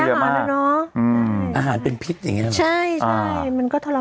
ใช่เพราะแพรส์อ่าดอะเนอะอืมอาหารเป็นพิษอย่างเงี้ยใช่ใช่